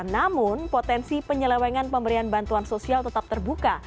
namun potensi penyelewengan pemberian bantuan sosial tetap terbuka